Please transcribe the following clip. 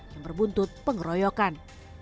yang berbuntut pengeroyokan